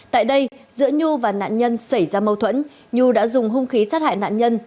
tại đây giữa nhu và nạn nhân xảy ra mâu thuẫn nhu đã dùng hung khí sát hại nạn nhân